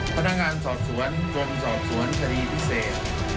พนักงานสอบสวนกรมสอบสวนคดีพิเศษ